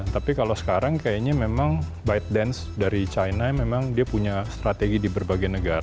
tapi kalau sekarang kayaknya memang by dance dari china memang dia punya strategi di berbagai negara